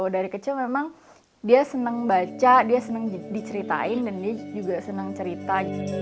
dari kecil memang dia senang baca dia senang diceritain dan dia juga senang cerita